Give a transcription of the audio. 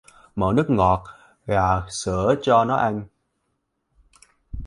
Mở nước ngọt và sữa cho nó ăn